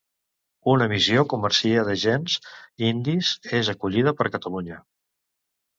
Una missió comercia d'agents indis és acollida per Catalunya.